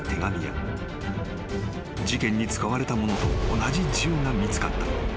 ［事件に使われたものと同じ銃が見つかった］